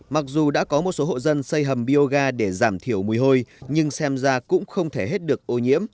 mặc dù đã có một số hộ dân xây hầm bioga để giảm thiểu mùi hôi nhưng xem ra cũng không thể hết được ô nhiễm